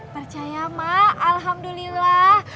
percaya mak alhamdulillah